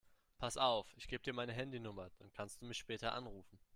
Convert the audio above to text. Pass auf, ich gebe dir meine Handynummer, dann kannst du mich später anrufen.